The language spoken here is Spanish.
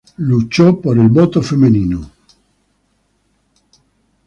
Luchó por el voto femenino.